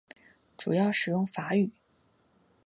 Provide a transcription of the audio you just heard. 主要使用法语。